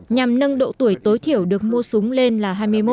nhằm nâng độ tuổi tối thiểu được mua súng lên là hai mươi một